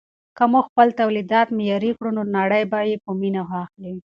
که موږ خپل تولیدات معیاري کړو نو نړۍ به یې په مینه واخلي.